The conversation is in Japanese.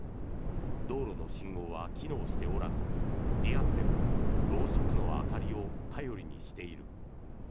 道路の信号は機能しておらず理髪店もろうそくの明かりを頼りにしている。